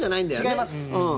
違います。